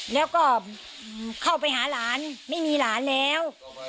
แล้วก็เข้าไปหาหลานไม่มีหลานแล้ว